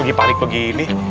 lagi panik begini